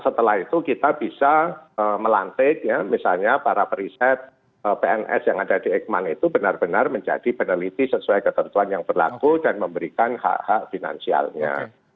setelah itu kita bisa melantik ya misalnya para periset pns yang ada di ekman itu benar benar menjadi peneliti sesuai ketentuan yang berlaku dan memberikan hak hak finansialnya